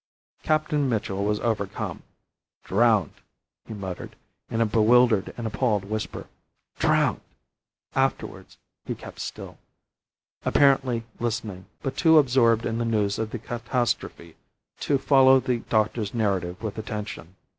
Captain Mitchell was overcome. "Drowned!" he muttered, in a bewildered and appalled whisper. "Drowned!" Afterwards he kept still, apparently listening, but too absorbed in the news of the catastrophe to follow the doctor's narrative with attention.